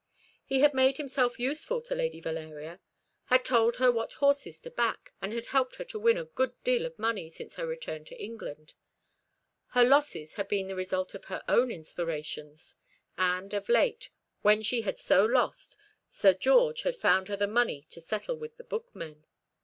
He had made himself useful to Lady Valeria: had told her what horses to back, and had helped her to win a good deal of money since her return to England. Her losses had been the result of her own inspirations: and of late, when she had so lost, Sir George had found her the money to settle with the bookmen.